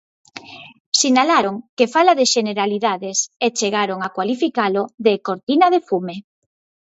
Sinalaron que fala de xeneralidades e chegaron a cualificalo de "cortina de fume".